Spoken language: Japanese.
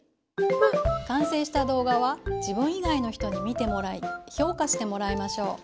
完成した動画は自分以外の人に見てもらい評価してもらいましょう。